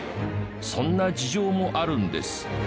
そんな事情もあるんです。